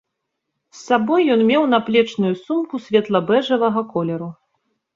З сабой ён меў наплечную сумку светла-бэжавага колеру.